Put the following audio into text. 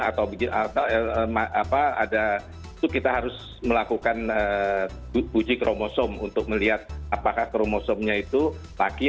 atau kita harus melakukan puji kromosom untuk melihat apakah kromosomnya itu laki